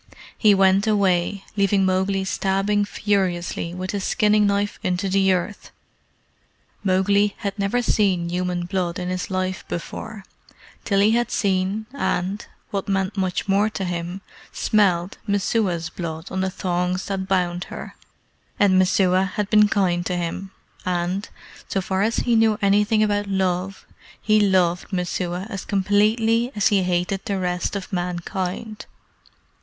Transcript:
He went away, leaving Mowgli stabbing furiously with his skinning knife into the earth. Mowgli had never seen human blood in his life before till he had seen, and what meant much more to him smelled Messua's blood on the thongs that bound her. And Messua had been kind to him, and, so far as he knew anything about love, he loved Messua as completely as he hated the rest of mankind.